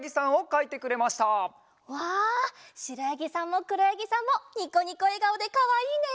しろやぎさんもくろやぎさんもニコニコえがおでかわいいね！